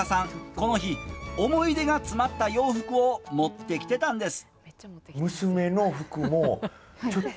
この日思い出が詰まった洋服を持ってきてたんです。